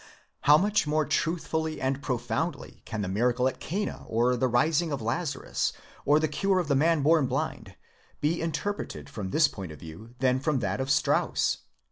How much more truthfully and profoundly can the miracle at Cana, or the raising of Lazarus, or the cure of the man born blind, be interpreted from this point of view than from that of Strauss!